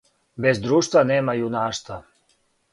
Без друштва нема јунаштва.